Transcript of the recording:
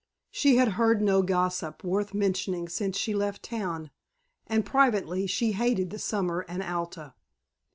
She had heard no gossip worth mentioning since she left town, and privately she hated the summer and Alta.